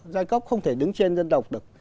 giai cấp không thể đứng trên dân tộc được